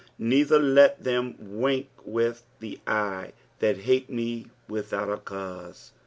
" Neither lei them icinh with the eye tnat iiale me without a cauie.'"